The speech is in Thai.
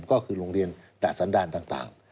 ก็คือโรงเรียนตะสันดารต่าง